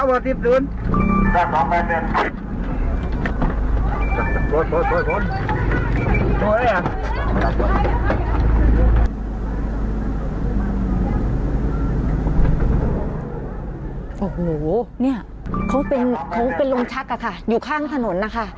โอ้โหเนี่ยเขาเป็นลมชักอะค่ะอยู่ข้างถนนนะคะ